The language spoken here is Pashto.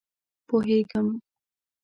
_پوهېږم.